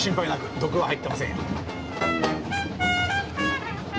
毒は入ってませんよ。